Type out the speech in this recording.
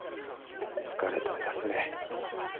疲れたら休め。